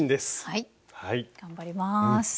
はい頑張ります。